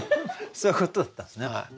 そういうことだったんですね。